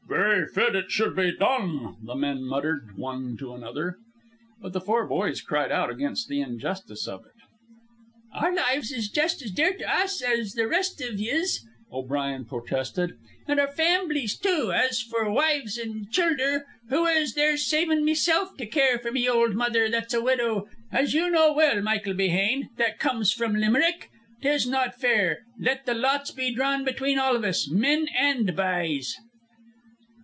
"Very fit it should be done," the men muttered one to another. But the four boys cried out against the injustice of it. "Our lives is just as dear to us as the rest iv yez," O'Brien protested. "An' our famblies, too. As for wives an' childer, who is there savin' meself to care for me old mother that's a widow, as you know well, Michael Behane, that comes from Limerick? 'Tis not fair. Let the lots be drawn between all of us, men and b'ys."